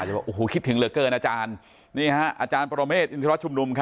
โอ้ยคิดแข็งเลิกเกินอาจารย์นี่ฮะประโรเมฆ